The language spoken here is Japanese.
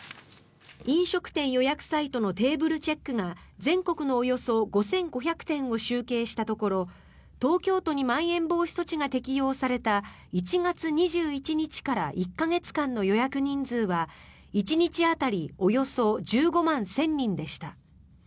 飲食店予約サイトのテーブルチェックが全国のおよそ５５００店を集計したところ東京都にまん延防止措置が適用された１月２１日から１か月間の予約人数は１日当たりおよそ１５万１０００人でした。